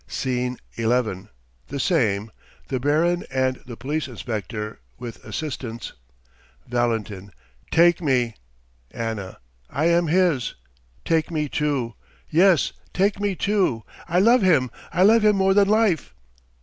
... SCENE XI. The same. The BARON and the POLICE INSPECTOR with assistants. VALENTIN: Take me! ANNA: I am his! Take me too! Yes, take me too! I love him, I love him more than life!